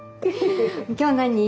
今日何？